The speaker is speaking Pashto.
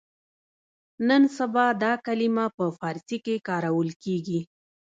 نن سبا دا کلمه په فارسي کې کارول کېږي.